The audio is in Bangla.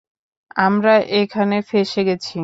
আমরা এখানে ফেঁসে গেছে!